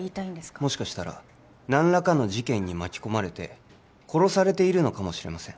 もしかしたら何らかの事件に巻き込まれて殺されているのかもしれません